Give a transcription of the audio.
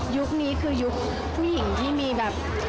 นี้คือยุคผู้หญิงที่มีแบบ